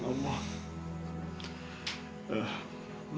saya sangat mahu kekasih allah